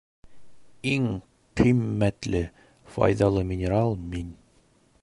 Иң ҡиммәтле, файҙалы минерал мин.